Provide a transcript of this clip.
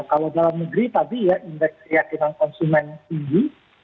kalau dalam negeri tadi ya indeks keyakinan konsumen tinggi